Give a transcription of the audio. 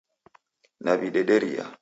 Naw'idederia